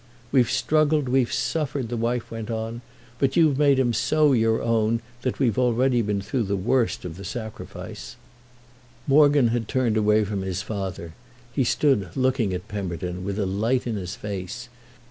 "We've struggled, we've suffered," his wife went on; "but you've made him so your own that we've already been through the worst of the sacrifice." Morgan had turned away from his father—he stood looking at Pemberton with a light in his face.